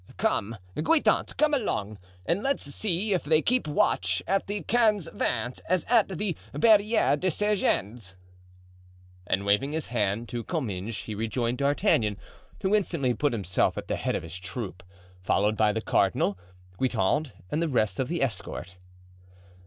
Come, Guitant, come along, and let's see if they keep watch at the Quinze Vingts as at the Barriere des Sergens." And waving his hand to Comminges he rejoined D'Artagnan, who instantly put himself at the head of his troop, followed by the cardinal, Guitant and the rest of the escort.